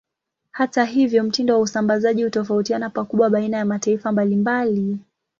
Hata hivyo, mtindo wa usambazaji hutofautiana pakubwa baina ya mataifa mbalimbali.